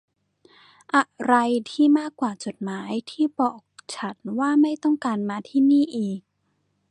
อะไรที่มากกว่าจดหมายที่บอกฉันว่าไม่ต้องการมาที่นี่อีก